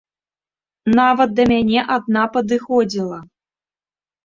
Нават да мяне адна падыходзіла.